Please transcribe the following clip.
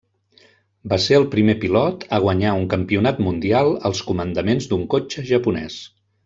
Va ser el primer pilot a guanyar un campionat mundial als comandaments d'un cotxe japonès.